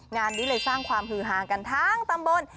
งานนี้เลยสร้างความฮือฮากันทั้งตำบล